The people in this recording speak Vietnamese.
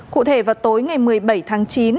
cụ thể vào tối ngày một mươi bảy tháng chín